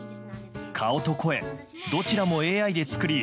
顔と声、どちらもＡＩで作り